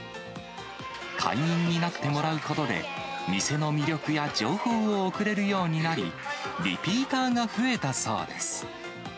会員になってもらうことで、店の魅力や情報を送れるようになり、リピーターが増えたそうです。